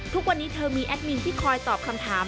ทุกวันนี้เธอมีแอดมินที่คอยตอบคำถาม